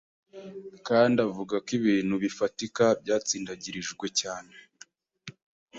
kandi avuga ko ibintu bifatika byatsindagirijwe cyane